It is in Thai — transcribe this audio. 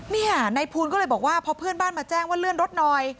นี่ค่ะนายภูลก็เลยบอกว่าพอเพื่อนบ้านมาแจ้งว่าเลื่อนรถหน่อย